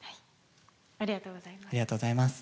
ありがとうございます。